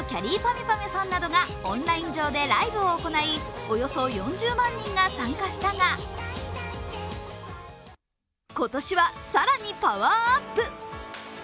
ゅぱみゅさんなどがオンライン上でライブを行い、およそ４０万人が参加したが、今年は更にパワーアップ。